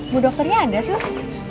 bu dokternya ada sus